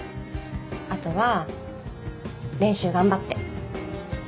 あとは練習頑張って。